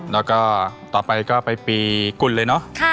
แล้วก็ต่อไปก็ไปปีกุลเลยเนอะ